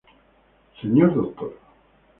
Señor Dr.